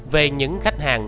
về những khách hàng